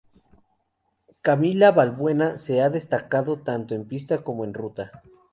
Camila Valbuena, se ha destacado tanto en pista como en ruta.